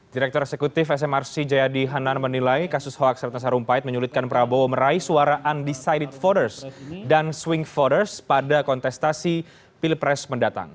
direktur eksekutif smrc jayadi hanan menilai kasus hoaks ratna sarumpait menyulitkan prabowo meraih suara undecided voters dan swing voters pada kontestasi pilpres mendatang